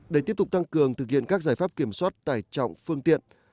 để tiếp tục tăng cường thực hiện các giải pháp kiểm soát tải trọng phương tiện